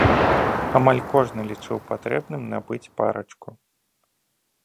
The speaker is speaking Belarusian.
Амаль кожны лічыў патрэбным набыць парачку.